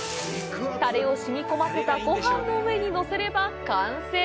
タレをしみ込ませたごはんの上にのせれば、完成。